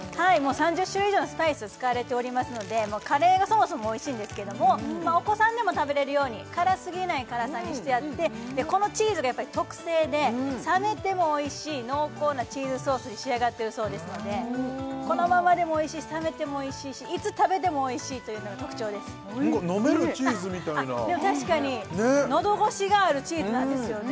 ３０種類以上のスパイス使われておりますのでカレーがそもそもおいしいんですけどもお子さんでも食べれるように辛すぎない辛さにしてあってこのチーズが特製で冷めてもおいしい濃厚なチーズソースに仕上がってるそうですのでこのままでもおいしいし冷めてもおいしいしいつ食べてもおいしいというのが特徴です飲めるチーズみたいなでも確かにのどごしがあるチーズなんですよね